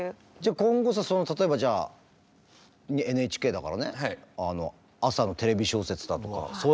今後例えばじゃあＮＨＫだからね朝の「テレビ小説」だとかそういう話来たらどうする？